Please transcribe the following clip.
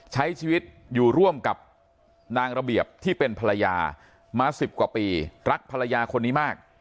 ใช้ชีวิตอยู่ร่วมกับนางระเบียบที่เป็นภรรยามา๑๐กว่าปีรักภรรยาคนนี้มาก